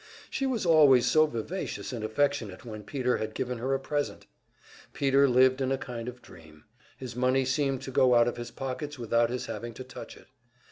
She was always so vivacious and affectionate when Peter had given her a present! Peter lived in a kind of dream, his money seemed to go out of his pockets without his having to touch it.